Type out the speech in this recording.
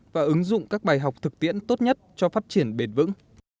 và ứng dụng các bài học thực tiễn tốt nhất cho phát triển bền vững